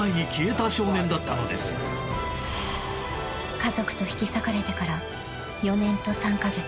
［家族と引き裂かれてから４年と３カ月］